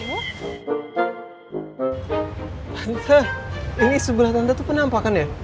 tante ini sebelah tante tuh penampakan ya